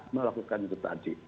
melakukan itu tadi